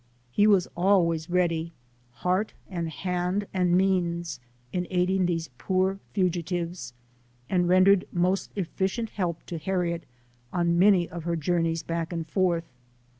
He was always ready, heart and LIFE OF HAUEIET TUBMAN. 31 hand and means, in aiding these poor fugitives, and rendered most efficient help to Harriet on many of her journeys back and forth.